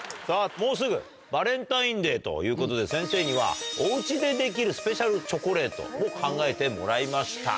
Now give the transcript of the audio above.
もうすぐバレンタインデーということで先生にはお家でできるスペシャルチョコレート考えてもらいました。